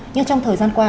nhưng trong thời gian qua